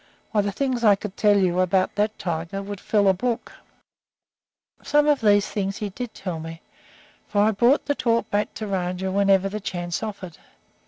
Why, the things I could tell you about that tiger would fill a book." Some of these things he did tell me, for I brought the talk back to Rajah whenever the chance offered.